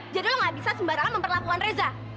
jadi lo gak bisa sembarangan memperlakukan reza